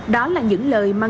đó là những lời mà người đàn ông